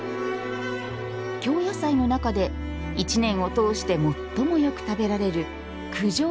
京野菜の中で、一年を通してもっともよく食べられる九条